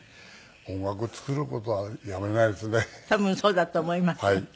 音楽を作る事はやめないですね。